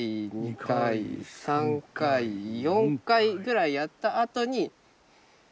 １回２回３回４回ぐらいやったあとに。